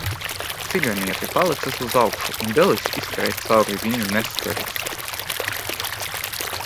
Čigāniete palēcās uz augšu un dēlis izskrēja cauri viņu neskāris.